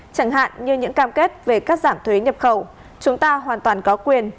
chẳng hạn như những cam kết về cắt giảm thuế nhập khẩu chúng ta hoàn toàn có quyền